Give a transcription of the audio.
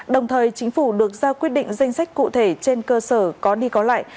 đồng thời chính phủ được ra quyết định danh sách cụ thể trên cơ sở có đi có lại